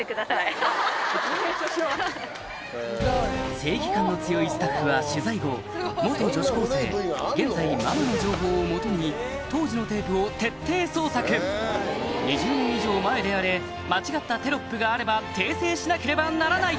正義感の強いスタッフは取材後女子高生現在ママの情報を基に２０年以上前であれ間違ったテロップがあれば訂正しなければならない！